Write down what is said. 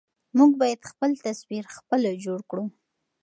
موږ بايد خپل تصوير خپله جوړ کړو.